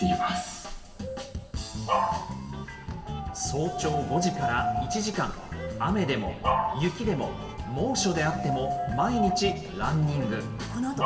早朝５時から１時間、雨でも、雪でも、猛暑であっても、毎日ランニング。